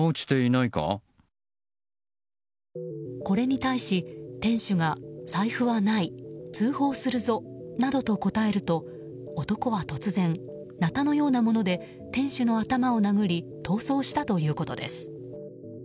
これに対し店主は通報するぞなどと答えると男は突然なたのようなもので店主の頭を殴り逃走したということです。